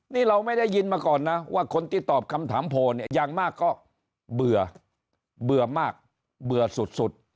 นี่เราไม่ได้ยินมาก่อนนะว่าคนที่ตอบคำถามโพลเนี่ยอย่างมากก็เบื่อมากเบื่อสุด